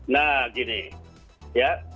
nah gini ya